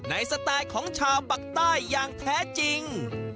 สไตล์ของชาวปักใต้อย่างแท้จริง